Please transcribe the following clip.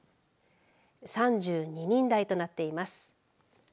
３２人台となっています。